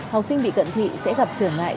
học sinh bị cận thị sẽ gặp trở ngại